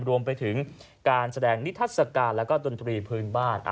รวมไปถึงการแสดงนิทัศกาลแล้วก็ดนตรีพื้นบ้าน